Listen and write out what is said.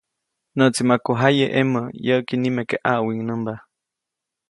Näʼtsi maku jaye ʼemä, yäʼki nimeke ʼaʼwiŋnämba.